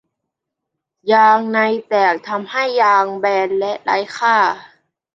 ยางในแตกทำให้ยางแบนและไร้ค่า